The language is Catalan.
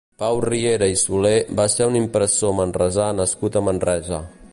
Pau Riera i Soler va ser un impressor manresà nascut a Manresa.